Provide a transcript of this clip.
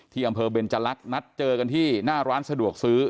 อำเภอเบนจรักษ์นัดเจอกันที่หน้าร้านสะดวกซื้อ